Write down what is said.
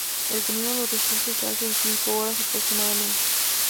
El camino a los refugios se hace en cinco horas aproximadamente.